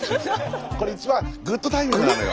これ一番グッドタイミングなのよ